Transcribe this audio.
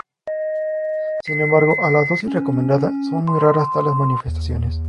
Sin embargo, a la dosis recomendada son muy raras tales manifestaciones.